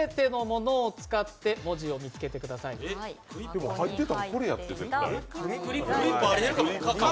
でも、入ってたん、これやって絶対。